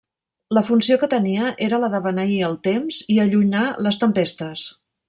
La funció que tenia era la de beneir el temps i allunyar les tempestes.